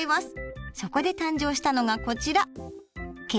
そこで誕生したのがこちら。